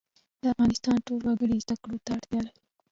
د افغانستان ټول وګړي زده کړو ته اړتیا لري